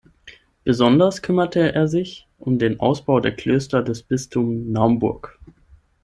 Besonders kümmerte er sich um den Ausbau der Klöster des Bistums Naumburg.